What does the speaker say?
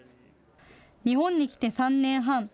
日本に来て３年半。